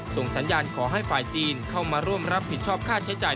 ส่งสัญญาณขอให้ฝ่ายจีนเข้ามาร่วมรับผิดชอบค่าใช้จ่าย